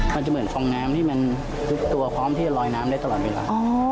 มันจะเหมือนฟองน้ำที่มันทุกตัวพร้อมที่จะลอยน้ำได้ตลอดเวลา